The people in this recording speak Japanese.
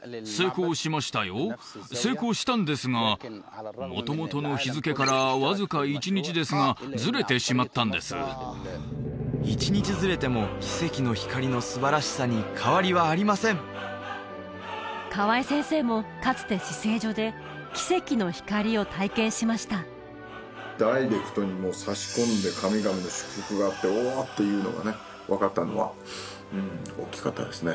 成功したんですが元々の日付から１日ずれても奇跡の光のすばらしさに変わりはありません河江先生もかつて至聖所で奇跡の光を体験しましたダイレクトにさし込んで神々の祝福があっておっていうのがね分かったのは大きかったですね